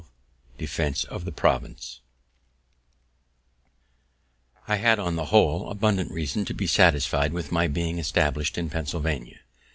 XII DEFENSE OF THE PROVINCE I had, on the whole, abundant reason to be satisfied with my being established in Pennsylvania.